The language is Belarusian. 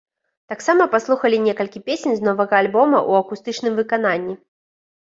Таксама паслухалі некалькі песень з новага альбома ў акустычным выкананні.